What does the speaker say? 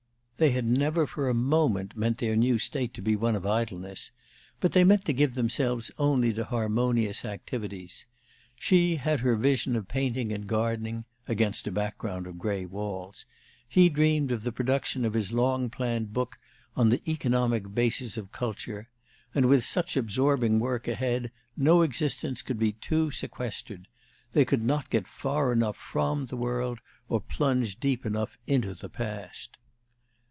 They had never for a moment meant their new state to be one of idleness; but they meant to give themselves only to harmonious activities. She had her vision of painting and gardening (against a background of gray walls), he dreamed of the production of his long planned book on the "Economic Basis of Culture"; and with such absorbing work ahead no existence could be too sequestered; they could not get far enough from the world, or plunge deep enough into the past.